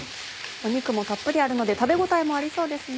肉もたっぷりあるので食べ応えもありそうですね。